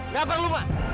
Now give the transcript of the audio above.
gak perlu ma